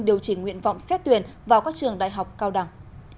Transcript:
điều chỉnh nguyện vọng xét tuyển vào các trường đại học cao đẳng